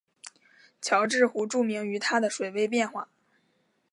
乔治湖著名于它的水位变化。